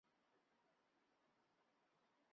由于性别而导致的歧视。